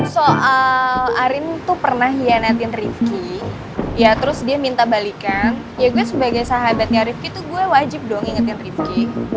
soal arin tuh pernah hianatin rifki ya terus dia minta balikan ya gue sebagai sahabatnya rifki tuh gue wajib dong ngingetin rifki